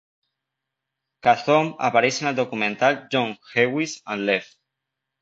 Khazzoom apareix en el documental "Young, Jewish, and Left".